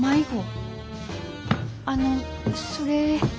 あのそれ。